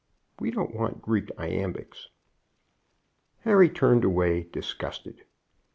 We don't want Greek iambics." Harry turned away disgusted.